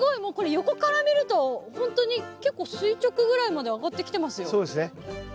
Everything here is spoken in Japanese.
横から見るとほんとに結構垂直ぐらいまで上がってきてますよ。